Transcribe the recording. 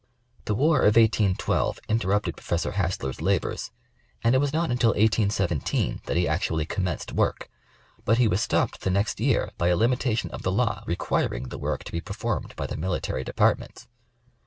The war of 1812 interrupted Professor Hassler's labors and it was not until 1817 that he actually commenced work; but he was stopped the next year by a limitation of the law requiring the work to be performed by the Military Departments.